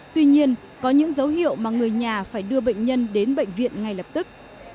tuy nhiên có những dấu hiệu mà người nhà phải đưa bệnh nhân đến bệnh viện ngay lập tức